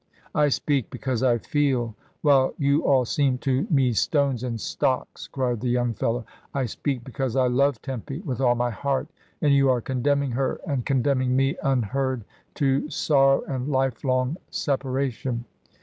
"I speak because I feel, while you all seem to me stones and stocks," cried the young fellow. "I speak because I love Tempy with all my heart, and you are condemning her and condemning me un heard to sorrow and life long separation."